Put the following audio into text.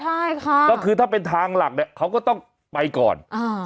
ใช่ค่ะก็คือถ้าเป็นทางหลักเนี่ยเขาก็ต้องไปก่อนอ่า